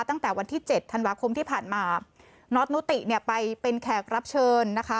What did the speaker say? ตั้งแต่วันที่เจ็ดธันวาคมที่ผ่านมาน็อตนุติเนี่ยไปเป็นแขกรับเชิญนะคะ